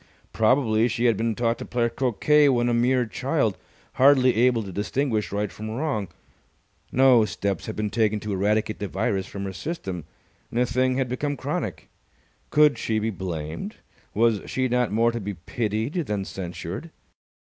Probably she had been taught to play croquet when a mere child, hardly able to distinguish right from wrong. No steps had been taken to eradicate the virus from her system, and the thing had become chronic. Could she be blamed? Was she not more to be pitied than censured?